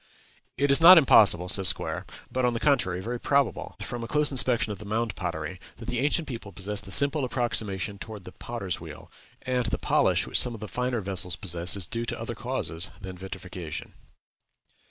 "It is not impossible," says Squier, "but, on the contrary, very probable, from a close inspection of the mound pottery, that the ancient people possessed the simple approximation toward the potter's wheel; and the polish which some of the finer vessels possess is due to other causes than vitrification."